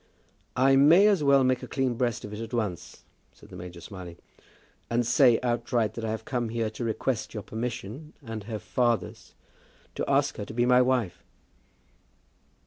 "I may as well make a clean breast of it at once," said the major, smiling, "and say outright that I have come here to request your permission and her father's to ask her to be my wife."